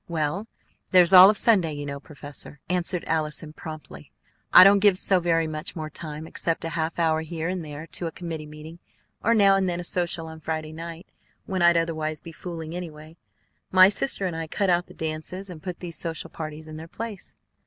"Well, there's all of Sunday, you know, professor," answered Allison promptly. "I don't give so very much more time, except a half hour here and there to a committee meeting, or now and then a social on Friday night, when I'd otherwise be fooling, anyway. My sister and I cut out the dances, and put these social parties in their place."